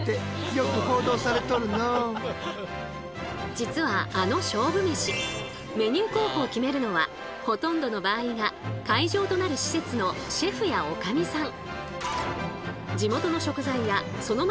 実はあの勝負メシメニュー候補を決めるのはほとんどの場合が会場となる施設のシェフや女将さん。